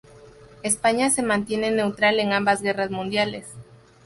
España se mantiene neutral en ambas guerras mundiales.